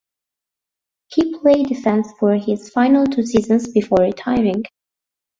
He played defence for his final two seasons before retiring.